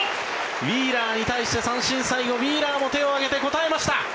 ウィーラーに対して三振最後、ウィーラーも手を上げて応えました。